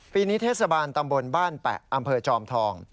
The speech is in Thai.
ปีนี้เทศบาลตำบลบ้านแปะอำเภอจอมทอง